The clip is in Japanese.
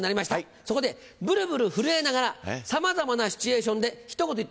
そこでブルブル震えながらさまざまなシチュエーションでひと言言ってください。